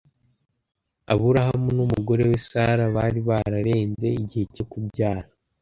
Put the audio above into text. Aburahamu n’umugore we Sara bari bararenze igihe cyo kubyara??